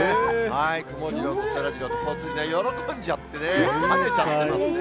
くもジローとそらジロー、ぽつリンが喜んじゃってね、はねちゃってます。